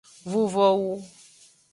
Vuvowu.